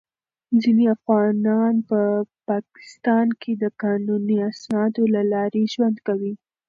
ځینې افغانان په پاکستان کې د قانوني اسنادو له لارې ژوند کوي.